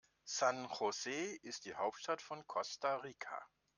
San José ist die Hauptstadt von Costa Rica.